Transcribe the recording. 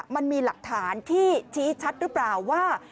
มันมีหลักฐานที่ชี้ชัดหรือเปล่าว่า